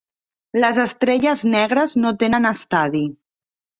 Les Estrelles Negres no tenen estadi.